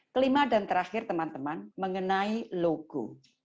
kelima dan terakhir teman teman mengenai logo